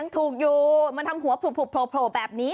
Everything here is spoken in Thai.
ถูกอยู่มันทำหัวโผล่แบบนี้